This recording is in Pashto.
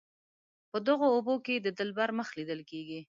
په دغو اوبو کې د دلبر مخ لیدل کیږي.